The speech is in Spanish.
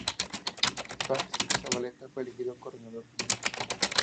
Patxi Zabaleta fue elegido coordinador general.